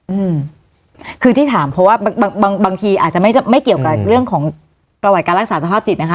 อืมคือที่ถามเพราะว่าบางบางบางทีอาจจะไม่เกี่ยวกับเรื่องของประวัติการรักษาสภาพจิตนะคะ